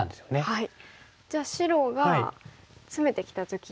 はい。